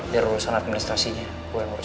biar urusan administrasinya gue yang urusan